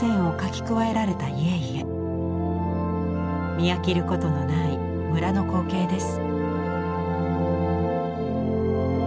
見飽きることのない村の光景です。